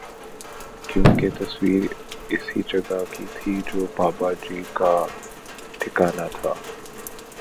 کیوں کہ تصویر اسی جگہ کی تھی جو باباجی کا ٹھکانہ تھا